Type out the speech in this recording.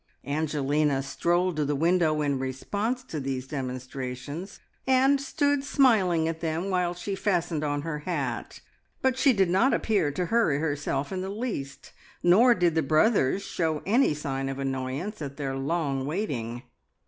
Angelina strolled to the window in response to these demonstrations, and stood smiling at them while she fastened on her hat, but she did not appear to hurry herself in the least, nor did the brothers show any signs of annoyance at their long waiting.